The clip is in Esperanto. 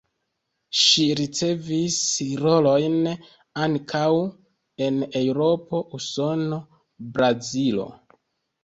Ŝi ricevis rolojn ankaŭ en Eŭropo, Usono, Brazilo.